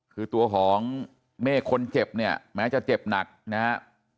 คือตัวของเมฆคนเจ็บเนี่ยแม้จะเจ็บหนักนะฮะ